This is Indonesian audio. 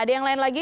ada yang lain lagi